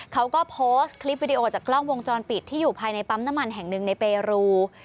เขาก็โพสต์คลิปวิดีโอจากกล้องวงจรปิดที่อยู่ภายในปั๊มน้ำมันแห่งหนึ่งในเปรู